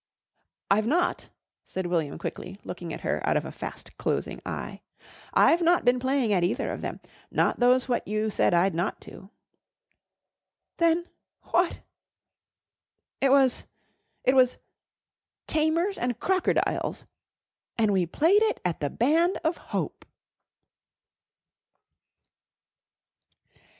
"I've not," said William quickly, looking at her out of a fast closing eye, "I've not been playing at either of them not those what you said I'd not to." "Then what ?" "It was it was 'Tamers an' Crocerdiles,' an' we played it at the Band of Hope!"